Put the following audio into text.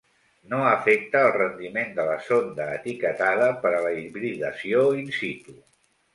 No afecta al rendiment de la sonda etiquetada per a la hibridació in situ.